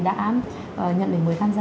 đã nhận lời mời khán giả